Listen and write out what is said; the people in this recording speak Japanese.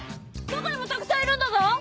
中にもたくさんいるんだぞ！